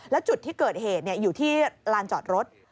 แล้วจุดที่เกิดเหตุอยู่ที่ลานจอดรถ